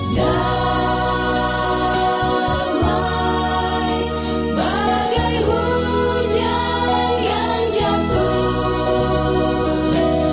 damai bagai hujan yang jatuh